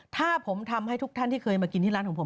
ถ้าผมทำให้ทุกท่านที่เคยมากินที่ร้านของผม